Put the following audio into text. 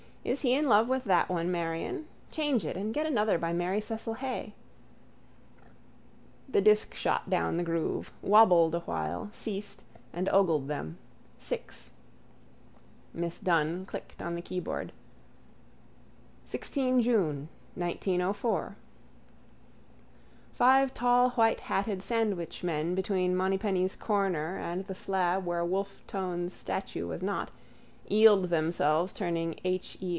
Is he in love with that one, Marion? Change it and get another by Mary Cecil Haye. The disk shot down the groove, wobbled a while, ceased and ogled them: six. Miss Dunne clicked on the keyboard: —16 June 1904. Five tallwhitehatted sandwichmen between Monypeny's corner and the slab where Wolfe Tone's statue was not, eeled themselves turning H. E.